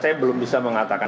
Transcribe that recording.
saya belum bisa mengatakan